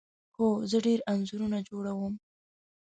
هو، زه ډیر انځورونه جوړوم